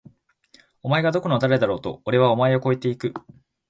お前がどこの誰だろうと！！おれはお前を超えて行く！！